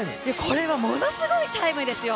これはものすごいタイムですよ。